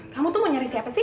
kamu tuh mau nyari siapa sih